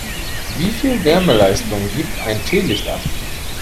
Wie viel Wärmeleistung gibt ein Teelicht ab?